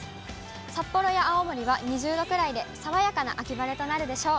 札幌や青森は２０度くらいで、爽やかな秋晴れとなるでしょう。